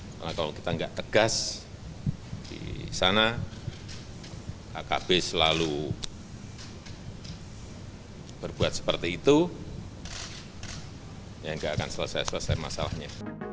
karena kalau kita tidak tegas di sana akb selalu berbuat seperti itu ya tidak akan selesai selesai masalahnya